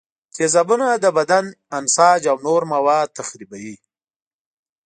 تیزابونه د بدن انساج او نور مواد تخریبوي.